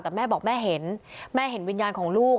แต่แม่บอกแม่เห็นแม่เห็นวิญญาณของลูก